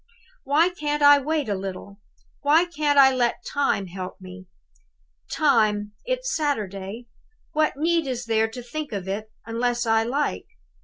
"Why can't I wait a little? Why can't I let Time help me? Time? It's Saturday! What need is there to think of it, unless I like?